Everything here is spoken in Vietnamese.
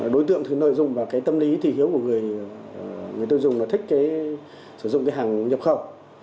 đối tượng thường lợi dụng và tâm lý thị hiếu của người tiêu dùng là thích sử dụng hàng nhập khẩu